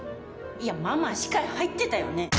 いやまあまあ視界入ってたよね？